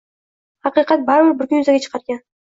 Haqiqat baribir bir kun yuzaga chiqarkan